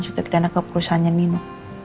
sutradana keperusahaannya nino